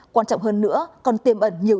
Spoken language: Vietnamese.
quan trọng hơn nữa còn tiềm ẩn nhiều lý do